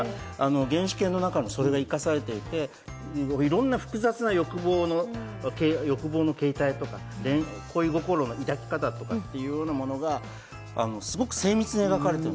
だから『げんしけん』の中にもそれが生かされていて、いろんな複雑な欲望の形態とか、恋心の抱き方とか、すごく精密に描かれている。